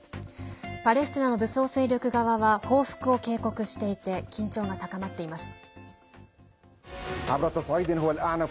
パレスチナの武装勢力側は報復を警告していて緊張が高まっています。